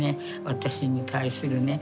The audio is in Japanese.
私に対するね。